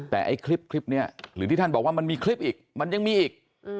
แต่ไอ้คลิปนี้หรือที่ท่านบอกว่ามันมีคลิปอีกมันยังมีอีก